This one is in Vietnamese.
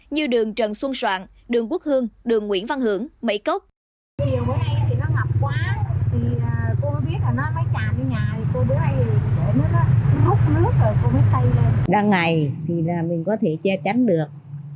như đường trần xuân soạn đường quốc hương đường nguyễn văn hưởng mây cốc